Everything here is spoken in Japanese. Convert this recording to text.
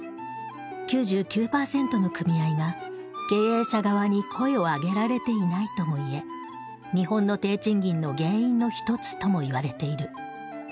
９９パーセントの組合が経営者側に声を上げられていないとも言え日本の低賃金の原因の一つともいわれている。